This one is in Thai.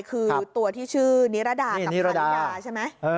คือตัวที่ชื่อนิรดากับภรรยาใช่ไหม